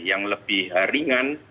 yang lebih ringan